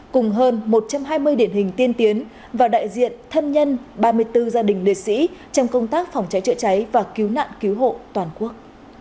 cùng hơn một trăm hai mươi điển hình tiên tiến và đại diện thân nhân ba mươi bốn gia đình liệt sĩ trong công tác phòng cháy chữa cháy và cứu nạn cứu hộ toàn quốc